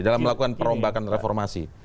dalam melakukan perombakan reformasi